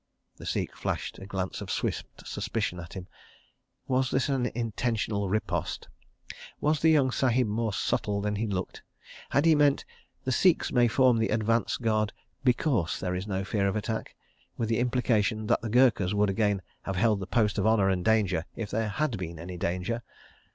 The Sikh flashed a glance of swift suspicion at him. ... Was this an intentional riposte? Was the young Sahib more subtle than he looked? Had he meant "The Sikhs may form the advance guard because there is no fear of attack," with the implication that the Gurkhas would again have held the post of honour and danger if there had been any danger?